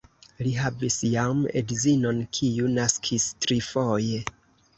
Li havis jam edzinon, kiu naskis trifoje.